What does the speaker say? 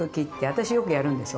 私よくやるんですよ